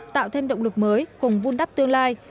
tạo thêm động lực mới cùng vun đắp tương lai